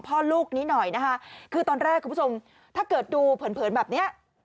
พ่อลูกนี้หน่อยนะคะคือตอนแรกคุณผู้ชมถ้าเกิดดูเผินเผินแบบเนี้ย